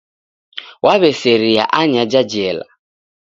Waw'eseria anyaja jela.